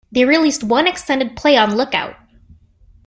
They released one extended play on Lookout!